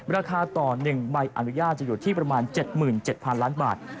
ราคาต่อ๑ใบอนุญาตจะอยู่ที่ประมาณ๗๗๐๐ล้านบาท